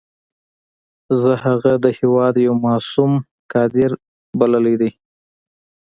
زه هغه د هېواد یو معصوم کادر بللی دی.